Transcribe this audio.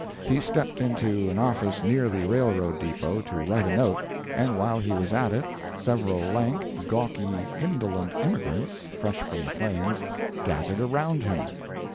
He stepped into an office near the railroad depot, to write a note, and while he was at it, several lank, gawky, indolent immigrants, fresh from the plains, gathered around him.